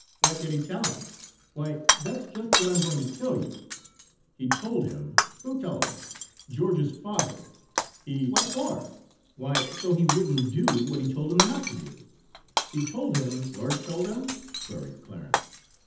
"What did he tell him?" "Why, that's just what I'm going to tell you. He told him " "Who told him?" "George's father. He " "What for?" "Why, so he wouldn't do what he told him not to do. He told him " "George told him?" queried Clarence.